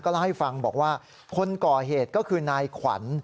เล่าให้ฟังบอกว่าคนก่อเหตุก็คือนายขวัญ